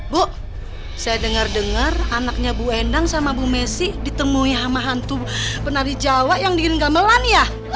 bu saya dengar dengar anaknya bu endang sama bu messi ditemui sama hantu penari jawa yang bikin gamelan ya